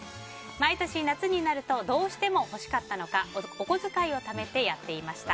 毎年夏になるとどうしても欲しかったのかお小遣いをためてやっていました。